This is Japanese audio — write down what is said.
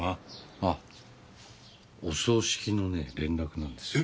あぁお葬式のね連絡なんです。え？